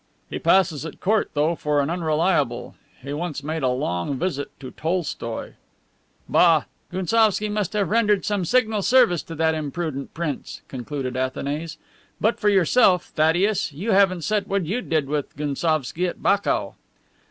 "He passes at court, though, for an unreliable. He once made a long visit to Tolstoi." "Bah! Gounsovski must have rendered some signal service to that imprudent prince," concluded Athanase. "But for yourself, Thaddeus, you haven't said what you did with Gounsovski at Bakou."